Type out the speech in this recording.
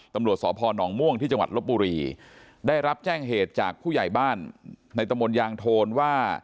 ตำรวจสพนม่วงที่จังหวัดลบบุรีได้รับแจ้งเหตุจากผู้ใหญ่บ้านในตะมนตยางโทนว่า